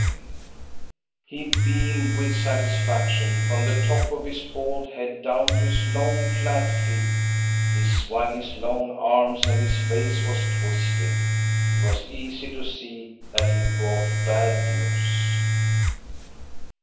COSTA BERUNG, POET 67 He beamed with satisfaction, from the top of his bald head down to his long, flat feet. He swung his long arms, and his face was twisted. It was easy to sec that he brought bad news.